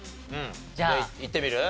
じゃあいってみる？